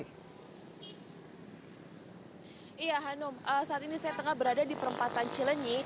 iya hanum saat ini saya tengah berada di perempatan cilenyi